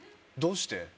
どうして？